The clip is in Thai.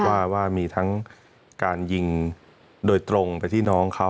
ว่ามีทั้งการยิงโดยตรงไปที่น้องเขา